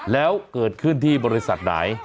แล้วเกิดขึ้นที่บริษัทไหน